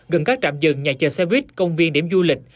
gần các trạm dừng nhà chờ xe buýt công viên điểm du lịch